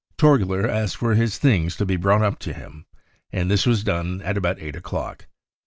Torgler asked for his things to be brought up to him, and this was done at about eight o'clock.